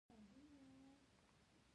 ژبه د نیکمرغه ژوند کلۍ ده